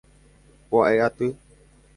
Pu'ae aty.